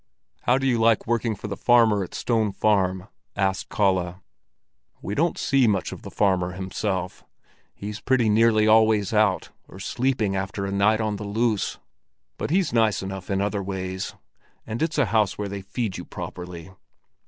"How do you like working for the farmer at Stone Farm?" asked Kalle. "We don't see much of the farmer himself; he's pretty nearly always out, or sleeping after a night on the loose. But he's nice enough in other ways; and it's a house where they feed you properly."